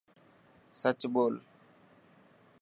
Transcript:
سچ ٻول.